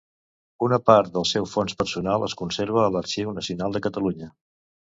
Una part del seu fons personal es conserva a l'Arxiu Nacional de Catalunya.